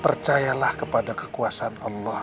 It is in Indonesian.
percayalah kepada kekuasaan allah